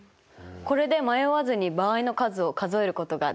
これで迷わずに場合の数を数えることができそうですね。